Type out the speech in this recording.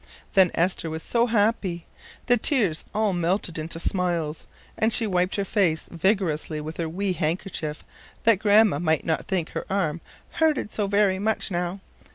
Then Esther was so happy! The tears all melted into smiles, and she wiped her face vigorously with her wee handkerchief, that Grandma might not think her arm "hurted so very much now."